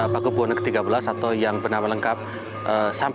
paku buwono ke tiga belas atau yang bernama lengkap